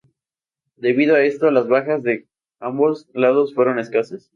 Debido a esto, las bajas de ambos lados fueron escasas.